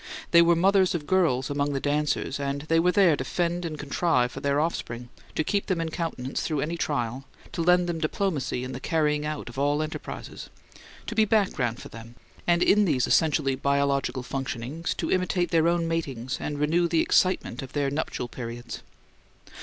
They were mothers of girls among the dancers, and they were there to fend and contrive for their offspring; to keep them in countenance through any trial; to lend them diplomacy in the carrying out of all enterprises; to be "background" for them; and in these essentially biological functionings to imitate their own matings and renew the excitement of their nuptial periods.